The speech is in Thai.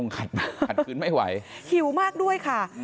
ขัดคืนไม่ไหวหิวมากด้วยค่ะ